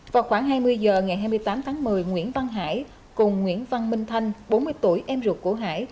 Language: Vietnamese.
vào khoảng hai mươi h ngày hai mươi tám tháng một mươi nguyễn văn hải cùng nguyễn văn minh thanh bốn mươi tuổi em ruột của hải